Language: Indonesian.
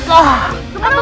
aduh si nurman